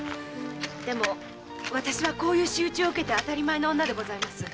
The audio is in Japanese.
でも私はこういう仕打ちを受けて当たり前の女です。